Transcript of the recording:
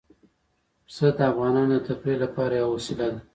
پسه د افغانانو د تفریح لپاره یوه وسیله ده.